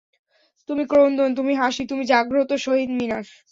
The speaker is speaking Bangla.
তুমি ক্রন্দন, তুমি হাসি, তুমি জাগ্রত শহীদ মিনার।